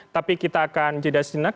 tapi kita akan jeda sejenak